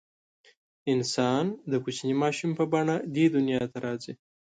انسان د کوچني ماشوم په بڼه دې دنیا ته راځي.